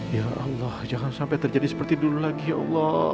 ya allah jangan sampai terjadi seperti dulu lagi ya allah